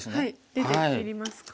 出て切りますか。